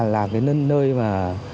là nơi mà